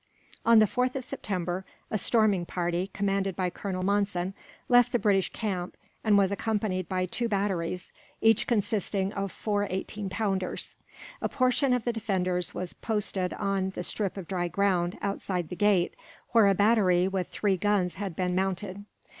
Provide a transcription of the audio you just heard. On the 4th of September a storming party, commanded by Colonel Monson, left the British camp; and was accompanied by two batteries, each consisting of four eighteen pounders. A portion of the defenders was posted on the strip of dry ground, outside the gate, where a battery with three guns had been mounted.